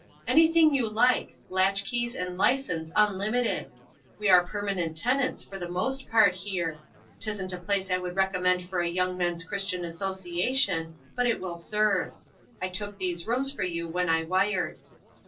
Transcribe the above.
"Anything you like; latch keys and license unlimited. We are permanent tenants for the most part here. 'Tisn't a place I would recommend for a Young Men's Christian Association, but it will serve. I took these rooms for you when I wired."